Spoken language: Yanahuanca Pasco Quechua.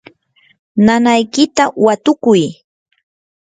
nanaykita watukuy.